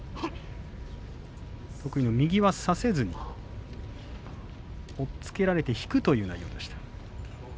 特に右は差せずに押っつけられて引くという内容でした。